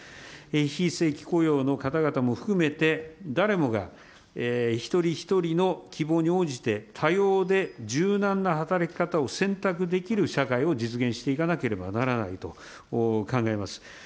非正規雇用の方々も含めて、誰もが一人一人の希望に応じて多様で柔軟な働き方を選択できる社会を実現していかなければならないと考えます。